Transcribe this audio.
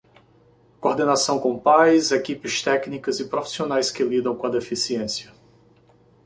Coordenação com pais, equipes técnicas e profissionais que lidam com a deficiência.